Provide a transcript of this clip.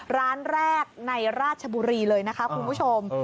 ร้านแรกในราชบุรีเลยนะคะคุณผู้ชม